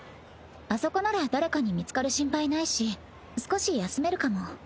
あそこなら誰かに見つかる心配ないし少し休めるかも。